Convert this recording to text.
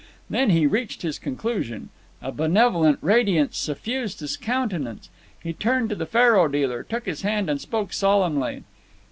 Then he reached his conclusion. A benevolent radiance suffused his countenance. He turned to the faro dealer, took his hand, and spoke solemnly.